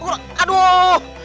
aduh guru aduh